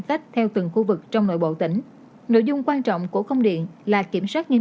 tách theo từng khu vực trong nội bộ tỉnh nội dung quan trọng của công điện là kiểm soát nghiêm